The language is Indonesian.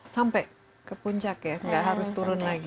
sampai ke puncak ya nggak harus turun lagi